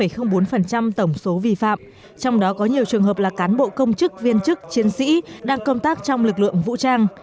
trong đó có nhiều trường hợp là cán bộ công chức viên chức chiến sĩ đang công tác trong lực lượng vũ trang